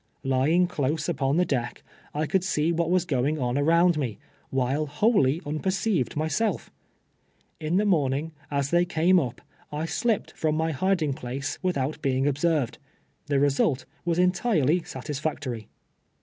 Lying close upon the deck, I could see wdiat was going on around me, while wholly unper ceived myself In the morning, as they came nj), I slipped from my hiding ])lace without being observed. The result was entirely satisfactorj'.